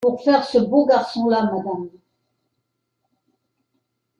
Pour faire ce beau garçon-là, madame!